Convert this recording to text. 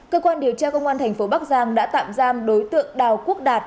cơ quan điều tra công an tp bắc giang đã tạm giam đối tượng đào quốc đạt